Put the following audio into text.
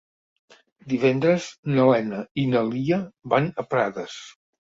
Divendres na Lena i na Lia van a Prades.